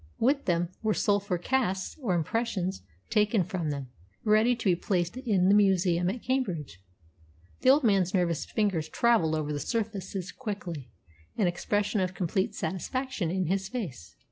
With them were sulphur casts or impressions taken from them, ready to be placed in the museum at Cambridge. The old man's nervous fingers travelled over the surfaces quickly, an expression of complete satisfaction in his face.